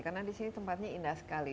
karena di sini tempatnya indah sekali